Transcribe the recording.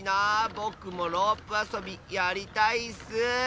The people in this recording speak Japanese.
ぼくもロープあそびやりたいッス！